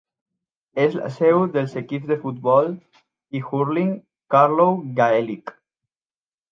És la seu dels equips de futbol i hurling Carlow Gaelic.